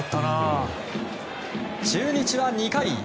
中日は２回。